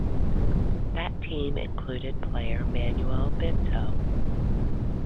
That team included player Manuel Bento.